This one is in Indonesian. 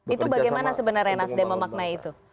itu bagaimana sebenarnya nasdem memaknai itu